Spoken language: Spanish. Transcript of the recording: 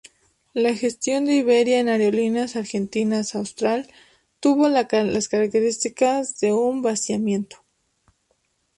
La gestión de Iberia en Aerolíneas Argentinas-Austral tuvo las características de un vaciamiento.